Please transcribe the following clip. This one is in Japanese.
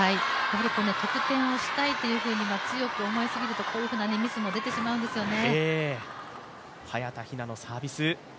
得点をしたいと強く思いすぎると、こういうふうなミスも手でしまうんですよね。